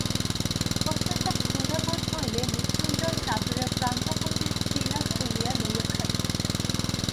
অত্যন্ত ক্ষুধা বোধ হইলে মৃত্যুঞ্জয় চাদরের প্রান্ত হইতে চিঁড়া খুলিয়া লইয়া খাইল।